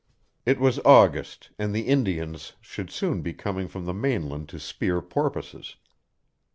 It was August, and the Indians should soon be coming from the mainland to spear porpoises.